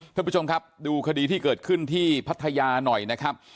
ท่านผู้ชมครับดูคดีที่เกิดขึ้นที่พัทยาหน่อยนะครับ